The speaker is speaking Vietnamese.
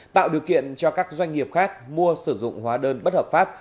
tạo điều kiện cho các doanh nghiệp khác mua sử dụng hóa đơn bất hợp pháp